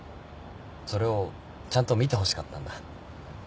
それをちゃんと見てほしかったんだ。